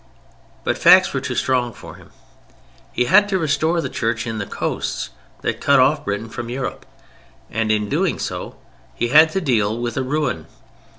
But facts were too strong for him. He had to restore the Church in the coasts that cut off Britain from Europe, and in doing so he had to deal with a ruin.